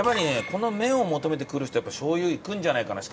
この麺を求めて来る人はやっぱ醤油いくんじゃないかな。